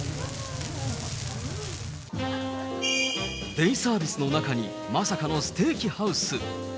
デイサービスの中に、まさかのステーキハウス。